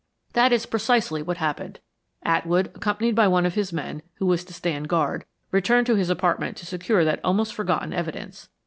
"That is precisely what happened. Atwood, accompanied by one of his men, who was to stand guard, returned to his apartment to secure that almost forgotten evidence.